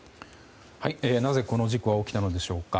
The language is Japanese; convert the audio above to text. なぜこの事故が起きたのでしょうか。